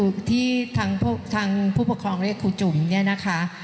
สำหรับพี่เลี้ยงเด็กที่คือทางผู้ปกครองเรียกครูจุ๋มเนี่ยนะคะ